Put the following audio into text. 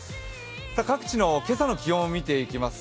各地の今朝の気温をみていきます。